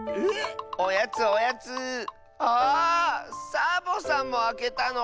サボさんもあけたの⁉